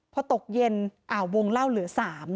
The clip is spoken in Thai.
พอตกเย็นวงเล่าเหลือ๓